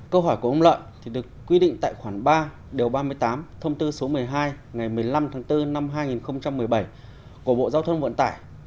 câu hỏi của ông lợi được quy định tại khoản ba điều ba mươi tám thông tư số một mươi hai ngày một mươi năm tháng bốn năm hai nghìn một mươi bảy của bộ giao thông vận tải